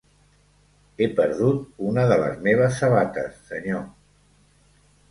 He perdut una de les meves sabates, senyor.